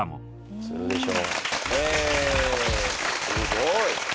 すごい。